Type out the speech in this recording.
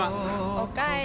おかえり。